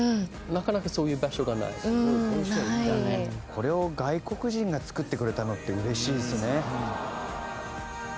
これを外国人が作ってくれたのってうれしいですよね。